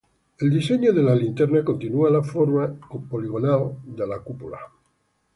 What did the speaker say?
El diseño de la linterna continúa la forma poligonal de la cúpula.